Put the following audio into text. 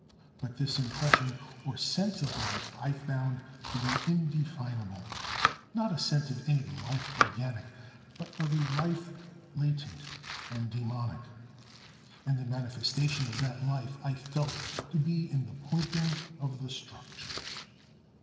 But this impression or sense of life I found to be indefinable, not a sense of any life organic, but of a life latent and dæmonic. And the manifestation of that life I felt to be in the pointing of the structure.